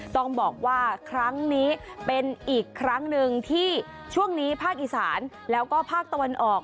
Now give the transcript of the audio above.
ต้องบอกว่าครั้งนี้เป็นอีกครั้งหนึ่งที่ช่วงนี้ภาคอีสานแล้วก็ภาคตะวันออก